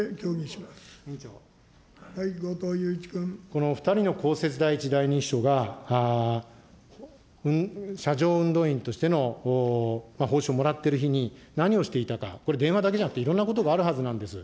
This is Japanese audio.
この２人の公設第１、第２秘書が、車上運動員としての報酬もらってる日に何をしていたか、これ、電話だけじゃなくて、いろんなことがあるはずなんです。